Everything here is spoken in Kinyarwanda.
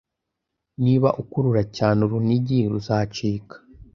Niba ukurura cyane, urunigi ruzacika